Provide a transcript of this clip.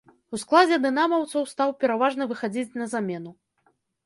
У складзе дынамаўцаў стаў пераважна выхадзіць на замену.